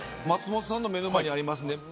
松本さんの目の前にありますね。